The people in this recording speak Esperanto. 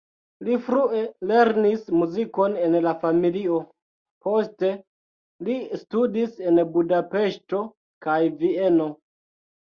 Li frue lernis muzikon en la familio, poste li studis en Budapeŝto kaj Vieno.